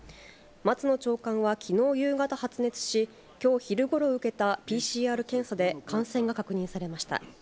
松野長官はきのう夕方、発熱し、きょう昼ごろ受けたＰＣＲ検査で感染が確認されました。